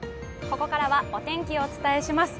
ここからはお天気をお伝えします。